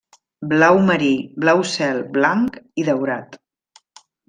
Blau marí, blau cel, blanc i daurat.